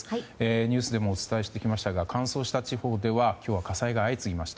ニュースでもお伝えしてきましたが乾燥した地方では今日は火災が相次ぎました。